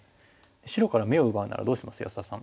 白から眼を奪うならどうします安田さん。